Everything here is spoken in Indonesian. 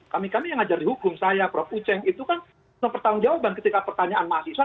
kami kami yang ajar di hukum saya prof uceng itu kan pertanggung jawaban ketika pertanyaan ma'a isha